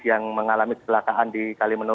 yang mengalami keselakaan di kalimantan